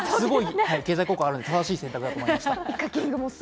経済効果があったので正しい選択だと思いました。